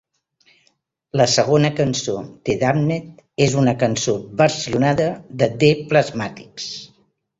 La segona cançó "The Damned" és una cançó versionada de The Plasmatics.